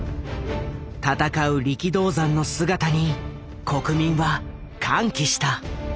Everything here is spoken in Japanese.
戦う力道山の姿に国民は歓喜した。